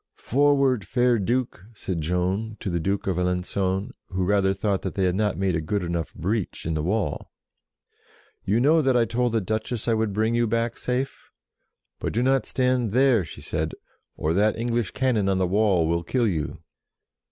"Forward, fair Duke!" said Joan to the 52 JOAN OF ARC Duke of Alengon, who rather thought that they had not made a good enough breach in the wall. "You know that I told the Duchess I would bring you back safe ? But do not stand there" she said, "or that English cannon on the wall will kill you."